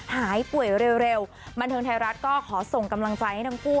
หายป่วยเร็วบันเทิงไทยรัฐก็ขอส่งกำลังใจให้ทั้งคู่